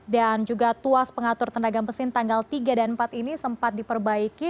dan juga tuas pengatur tenaga mesin tanggal tiga dan empat ini sempat diperbaiki